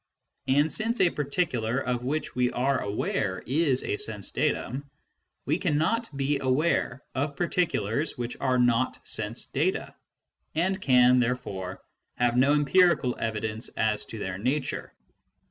And since a particular of which we are aware is a sense datum, we can not be aware of particulars which are not sense data, and can, therefore, have no empirical evidence as to their nature.